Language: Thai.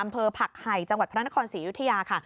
ผักไห่จังหวัดพระนครศรีอยุธยาค่ะ